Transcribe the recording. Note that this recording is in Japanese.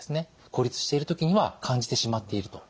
孤立している時には感じてしまっていると。